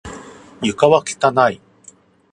床は汚い。